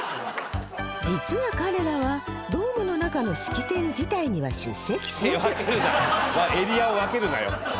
実は彼らはドームの中の式典自体には出席せずエリアを分けるなよ。